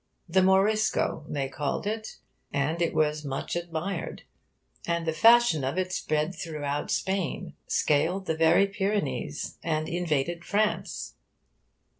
The 'Morisco' they called it; and it was much admired; and the fashion of it spread throughout Spain scaled the very Pyrenees, and invaded France.